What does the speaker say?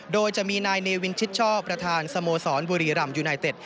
โดยจะมีนายเนวินชิดชอบประธานสโมสรบุรีรำยูไนเต็ด